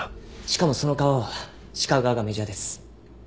しかもその革は鹿革がメジャーです。